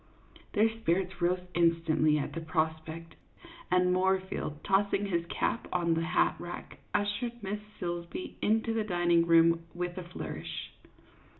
Their spirits rose instantly at the prospect, and Moorfield, tossing his cap on to the hat rack, ush ered Miss Silsbee into the dining room with a flourish.